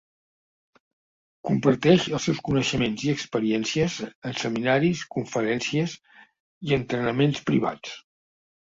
Comparteix els seus coneixements i experiències en seminaris, conferències i entrenaments privats.